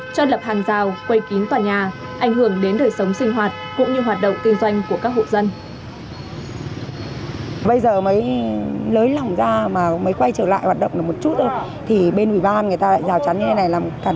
cho lập hàng rào quây kín tòa nhà ảnh hưởng đến đời sống sinh hoạt cũng như hoạt động kinh doanh của các hộ dân